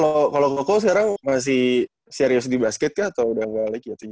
tapi kalau koko sekarang masih serius di basket ya atau udah nggak lagi ya